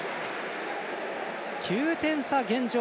９点差、現状。